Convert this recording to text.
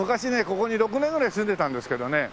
ここに６年ぐらい住んでたんですけどね。